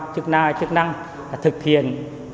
chức năng thực hiện